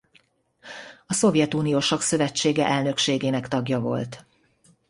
A Szovjetunió Sakkszövetsége elnökségének tagja volt.